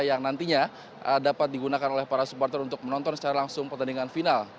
yang nantinya dapat digunakan oleh para supporter untuk menonton secara langsung pertandingan final